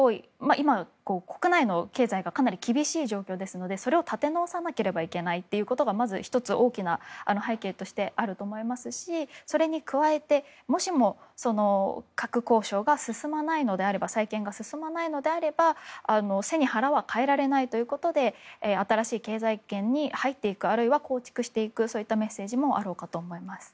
今、国内の経済がかなり厳しい状況ですのでそれを立て直さなければいけないのがまず１つ大きな背景としてあると思いますし、それに加えてもしも核交渉の再建が進まないのであれば背に腹は代えられないということで新しい経済圏に入っていく構築していくというメッセージもあろうかと思います。